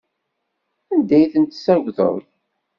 Anda ay ten-tessagdeḍ?